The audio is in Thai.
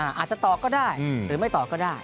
อาจจะตอบก็ได้หรือไม่ตอบก็ได้